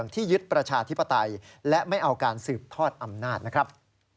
ที่ยึดประชาธิปไตยและไม่เอาการสืบทอดอำนาจนะครับ